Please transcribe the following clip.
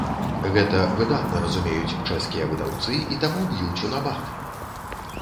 Гэта выдатна разумеюць чэшскія выдаўцы і таму б'юць у набат.